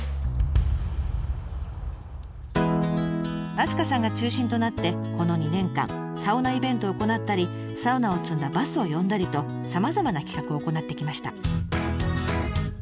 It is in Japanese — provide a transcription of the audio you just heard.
明日香さんが中心となってこの２年間サウナイベントを行ったりサウナを積んだバスを呼んだりとさまざまな企画を行ってきました。